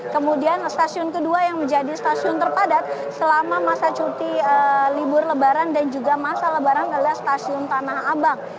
kemudian stasiun kedua yang menjadi stasiun terpadat selama masa cuti libur lebaran dan juga masa lebaran adalah stasiun tanah abang